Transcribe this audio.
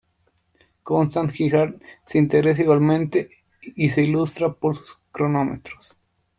Constant Girard se interesa igualmente y se ilustra por sus cronómetros.